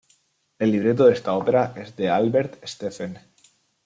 El libreto de esta ópera es de Albert Steffen.